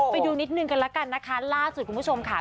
ไปดูนิดนึงกันแล้วกันนะคะล่าสุดคุณผู้ชมค่ะ